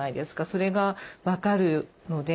それが分かるので。